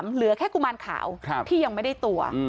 เหลือแค่กุมารขาวที่ยังไม่ได้ตัว